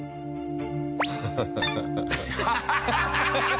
ハハハハ！